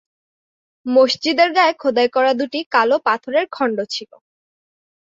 মসজিদের গায়ে খোদাই করা দুটি কালো পাথরের খণ্ড ছিল।